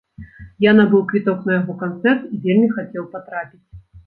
Я набыў квіток на яго канцэрт і вельмі хацеў патрапіць.